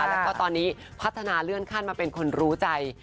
แล้วก็ตอนนี้พัฒนาเลื่อนขั้นมาเป็นคนรู้ใจ